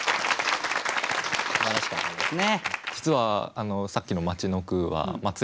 素晴らしかったですね。